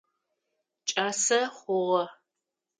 Кӏасэ хъугъэ.